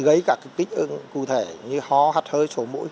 gây cả kích ứng cụ thể như hó hạt hơi sổ mũi